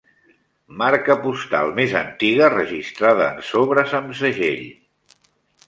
Marca postal més antiga registrada en sobres amb segell.